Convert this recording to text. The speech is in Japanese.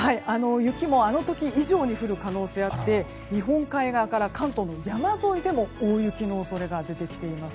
雪もあの時以上に降る可能性があって日本海側から関東の山沿いでも大雪の恐れが出てきています。